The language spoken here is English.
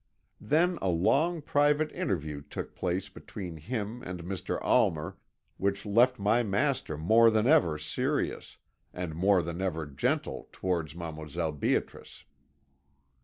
Then a long private interview took place between him and Mr. Almer, which left my master more than ever serious, and more than ever gentle towards Mdlle. Beatrice.